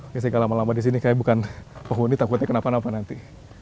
ketika lama lama di sini kayaknya bukan penghuni takutnya kenapa napa nanti